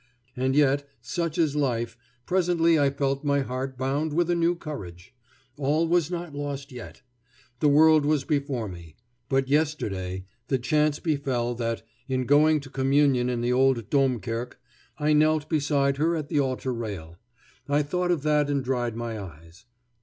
And yet, such is life, presently I felt my heart bound with a new courage. All was not lost yet. The world was before me. But yesterday the chance befell that, in going to communion in the old Domkirke, I knelt beside her at the altar rail. I thought of that and dried my eyes.